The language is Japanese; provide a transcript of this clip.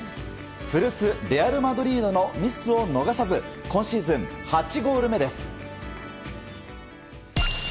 古巣レアル・マドリードのミスを逃さず今シーズン８ゴール目です。